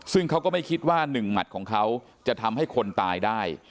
ซึ่งเขาก็ไม่คิดว่า๑หมัดของเขาจะทำให้คนตายได้